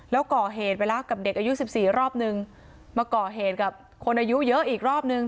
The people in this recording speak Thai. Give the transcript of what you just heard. แล้วก่อเหตุไปแล้วกับเด็กอายุสิบสี่รอบนึงมาก่อเหตุกับคนอายุเยอะอีกรอบนึง